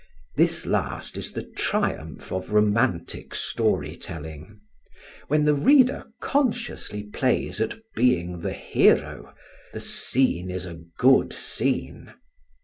This last is the triumph of romantic story telling: when the reader consciously plays at being the hero, the scene is a good scene.